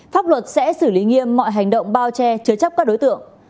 pháp luật sẽ xử lý nghiêm mọi hành động bao che chứa chấp các đối tượng